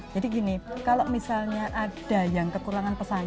jadi gini kalau misalnya ada yang kekurangan pesanan